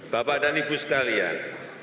bapak dan ibu sekalian